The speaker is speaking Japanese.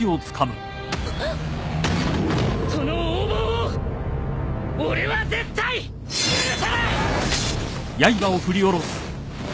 その横暴を俺は絶対許さない！